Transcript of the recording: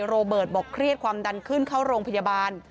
โรเบิร์ตบอกเครียดความดันขึ้นเข้าโรงพยาบาล